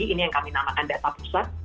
ini yang kami namakan data pusat